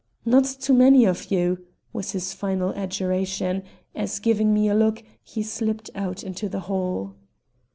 "Not too many of you," was his final adjuration, as, giving me a look, he slipped out into the hall.